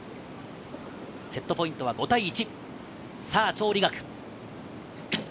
セットポイントは５対１。